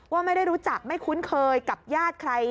ว่าไม่ได้รู้จักไม่คุ้นเคยกับญาติใคร